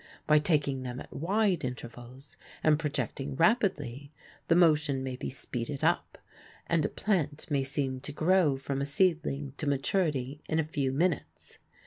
By taking them at wide intervals and projecting rapidly the motion may be speeded up, and a plant may seem to grow from a seedling to maturity in a few minutes.